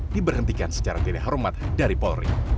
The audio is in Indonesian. diberhentikan secara tidak hormat dari polri